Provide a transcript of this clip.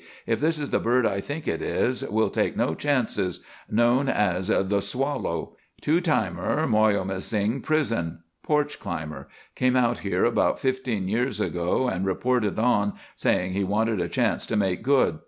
If this is the bird I think it is, we'll take no chances. Known as the 'Swallow.' Two timer, Moyomemsing prison. Porch climber. Came out here about fifteen years ago and reported on, saying he wanted a chance to make good.